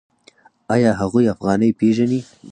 آیا هغوی افغانۍ پیژني؟